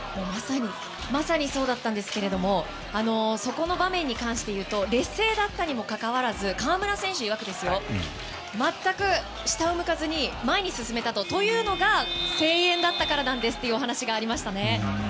まさにそうだったんですけどもそこの場面に関して言うと劣勢だったにもかかわらず河村選手いわく全く下を向かずに前に進めたと。というのが声援があったからなんですというお話がありましたね。